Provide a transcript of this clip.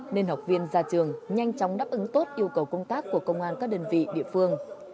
nên học viên ra trường nhanh chóng đáp ứng tốt yêu cầu công tác của công an các đơn vị địa phương